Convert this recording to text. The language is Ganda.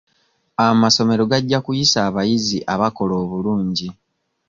Amasomero gajja kuyisa abayizi abakola obulungi.